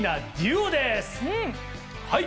はい。